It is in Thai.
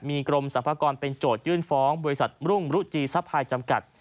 มีกรมสรรพากรเป็นโจทยื่นฟ้องบริษัทรุ่งรุจีซัพพายจำกัด